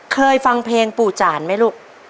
เคยฟังเพลงปูจาห์นมั้ยลูก